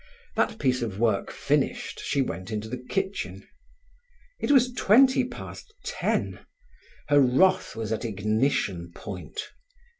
That piece of work finished, she went into the kitchen. It was twenty past ten. Her wrath was at ignition point.